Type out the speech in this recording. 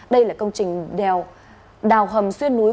đây là công trình đào hầm xuyên núi